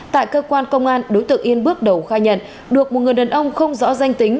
tại cơ quan công an đối tượng yên bước đầu khai nhận được một người đàn ông không rõ danh tính